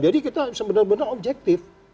jadi kita sebenarnya objektif